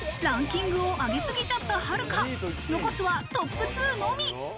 ランキングを上げすぎちゃったはるか、残すはトップ２のみ。